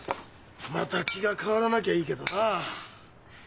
また気が変わらなきゃいいけどなあ。